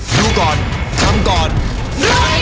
ดูก่อนทำก่อนรวยก่อน